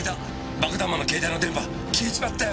爆弾魔の携帯の電波消えちまったよ！